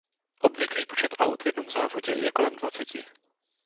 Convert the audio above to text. Obvyklý počet aut v jednom závodě je kolem dvaceti.